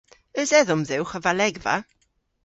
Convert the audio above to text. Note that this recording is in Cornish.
Eus edhom dhywgh a valegva?